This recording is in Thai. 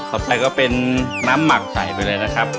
ไปก็เป็นน้ำหมักใส่ไปเลยนะครับ